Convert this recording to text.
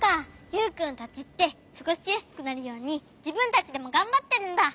ユウくんたちってすごしやすくなるようにじぶんたちでもがんばってるんだ。